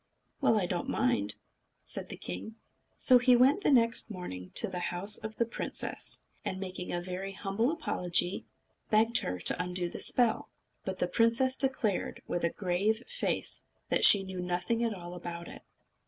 "Well, I don't mind," said the king. So he went the next morning to the house of the princess, and, making a very humble apology, begged her to undo the spell. But the princess declared, with a grave face, that she knew nothing at all about it.